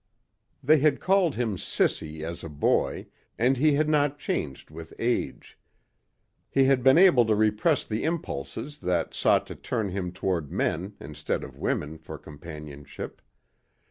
They had called him "Sissy" as a boy and he had not changed with age. He had been able to repress the impulses that sought to turn him toward men instead of women for companionship.